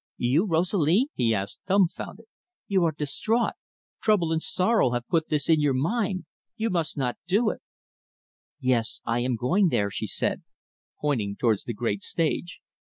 "You, Rosalie?" he asked dumfounded. "You are distrait. Trouble and sorrow have put this in your mind. You must not do it." "Yes, I am going there," she said, pointing towards the great stage.